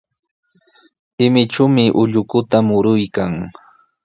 Imichumi ullukuta muruykan.